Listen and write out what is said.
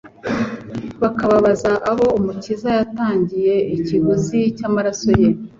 bakababaza abo Umukiza yatangiye ikiguzi cy'amaraso ye.